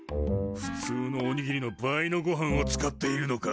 ふつうのおにぎりの倍のごはんを使っているのか。